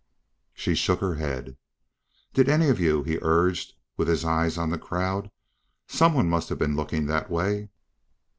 She shook her head. "Did any of you?" he urged, with his eyes on the crowd. "Some one must have been looking that way."